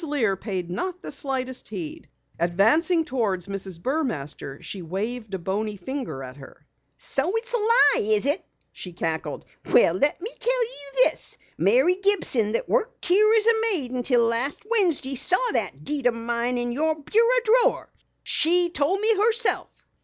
Lear paid not the slightest heed. Advancing toward Mrs. Burmaster, she waved a bony finger at her. "So it's a lie, is it?" she cackled. "Well, let me tell you this! Mary Gibson that worked out here as maid until last Wednesday saw that deed o' mine in your bureau drawer. She told me herself!"